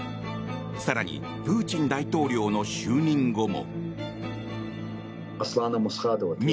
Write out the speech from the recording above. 更にプーチン大統領の就任後も。